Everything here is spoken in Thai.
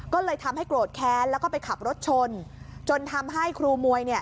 ก็เลยทำให้โกรธแค้นแล้วก็ไปขับรถชนจนทำให้ครูมวยเนี่ย